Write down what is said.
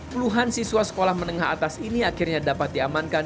puluhan siswa sekolah menengah atas ini akhirnya dapat diamankan